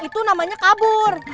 itu namanya kabur